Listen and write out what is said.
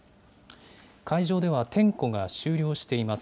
会場では点呼が終了しています。